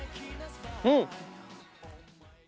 うん！